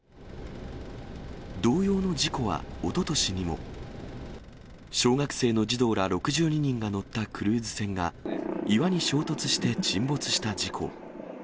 同様の事故は、おととしにも。小学生の児童ら６２人が乗ったクルーズ船が岩に衝突して沈没した事故。